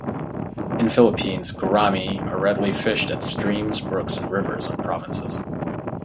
In Philippines, gouramis are readily fished at streams, brooks and rivers on provinces.